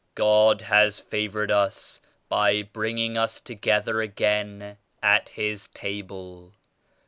"God has favored us by bringing us together again at His Table.